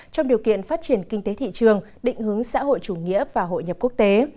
trong điều kiện phát triển kinh tế thị trường định hướng xã hội chủ nghĩa và hội nhập quốc tế